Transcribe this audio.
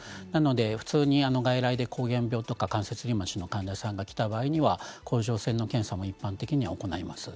普通に外来で、こう原病とか関節リウマチの患者さんが来た場合、甲状腺の検査も一般的に行います。